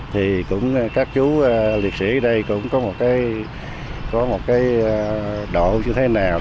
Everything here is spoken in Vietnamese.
thì cũng các chú liệt sĩ ở đây cũng có một cái độ như thế nào